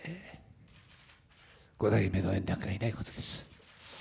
五代目の圓楽がいないことです。